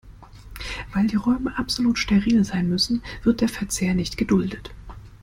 Weil die Räume absolut steril sein müssen, wird der Verzehr nicht geduldet.